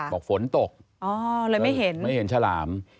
บอกฝนตกเลยไม่เห็นชาลาม